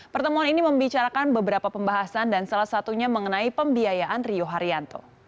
pertemuan ini membicarakan beberapa pembahasan dan salah satunya mengenai pembiayaan rio haryanto